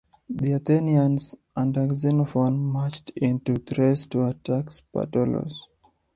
The Athenians under Xenophon marched into Thrace to attack Spartolos.